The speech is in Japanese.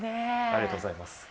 ありがとうございます。